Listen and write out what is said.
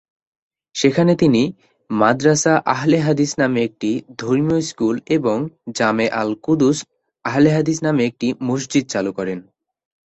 সেখানে তিনি "মাদ্রাসা আহলে হাদিস" নামে একটি ধর্মীয় স্কুল এবং "জামে আল-কুদস আহলে হাদিস" নামে একটি মসজিদ চালু করেন।